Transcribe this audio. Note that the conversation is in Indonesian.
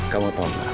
kamu tahu gak